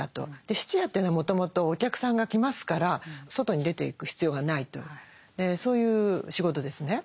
質屋というのはもともとお客さんが来ますから外に出ていく必要がないとそういう仕事ですね。